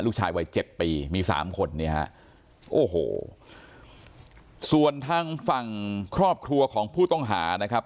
ลูกชายวัยเจ็ดปีมีสามคนเนี่ยฮะโอ้โหส่วนทางฝั่งครอบครัวของผู้ต้องหานะครับ